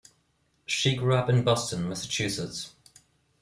She grew up in Boston, Massachusetts.